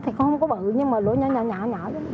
thì không có bự nhưng mà lũa nhỏ nhỏ nhỏ